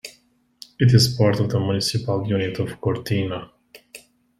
It is part of the municipal unit of Gortyna.